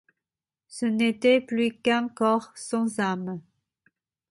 Ce n’était plus qu’un corps sans âme.